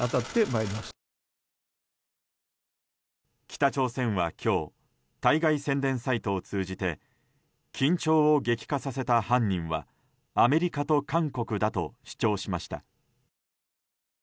北朝鮮は今日対外宣伝サイトを通じて緊張を激化させた犯人はアメリカと韓国だと主張しました。